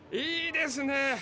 いいですね！